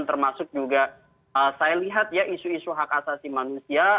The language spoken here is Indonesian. termasuk juga saya lihat ya isu isu hak asasi manusia